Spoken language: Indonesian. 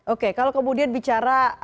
oke kalau kemudian bicara